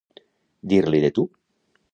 Dir-li de tu.